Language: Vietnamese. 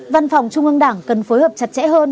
văn phòng trung ương đảng cần phối hợp chặt chẽ hơn